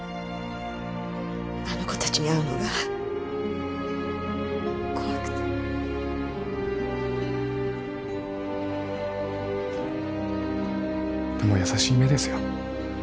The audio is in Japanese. あの子たちに会うのが怖くてでも優しい目ですよ